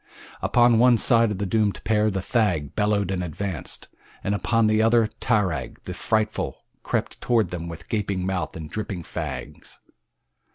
Upon one side of the doomed pair the thag bellowed and advanced, and upon the other tarag, the frightful, crept toward them with gaping mouth and dripping fangs.